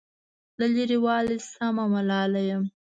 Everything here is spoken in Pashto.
له لرې والي سمه ملال یم.